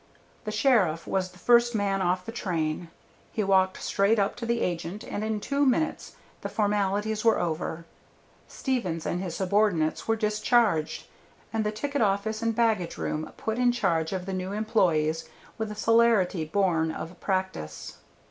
The sheriff was the first man off the train; he walked straight up to the agent, and in two minutes the formalities were over. Stevens and his subordinates were discharged, and the ticket office and baggage room put in charge of the new employees with a celerity born of practice.